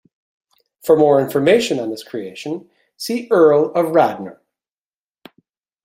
For more information on this creation, see Earl of Radnor.